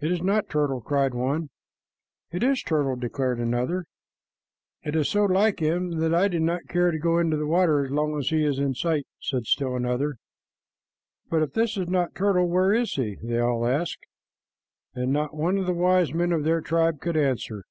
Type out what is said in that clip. "It is not Turtle," cried one. "It is Turtle," declared another. "It is so like him that I do not care to go into the water as long as it is in sight," said still another. "But if this is not Turtle, where is he?" they all asked, and not one of the wise men of their tribe could answer.